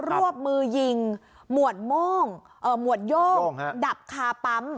วบมือยิงหมวดโม่งหมวดโย่งดับคาปั๊ม